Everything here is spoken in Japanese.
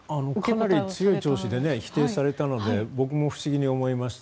かなり強い調子で否定されたので僕も不思議に思いました。